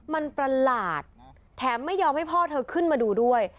มันประหลาดแถมไม่ยอมให้พ่อเธอขึ้นมาดูด้วย